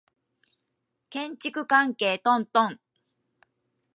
建築関係トントン